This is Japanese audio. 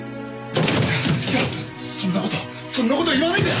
いやそんなことそんなこと言わないで。